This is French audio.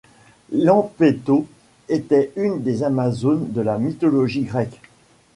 Lampeto était une des amazones de la mythologie grecque.